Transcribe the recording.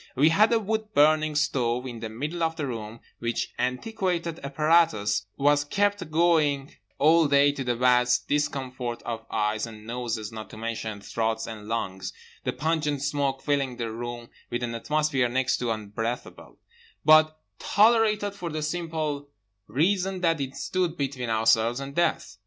We had a wood burning stove in the middle of the room, which antiquated apparatus was kept going all day to the vast discomfort of eyes and noses not to mention throats and lungs—the pungent smoke filling the room with an atmosphere next to unbreathable, but tolerated for the simple reason that it stood between ourselves and death.